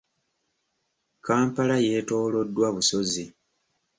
Kampala yeetooloddwa busozi.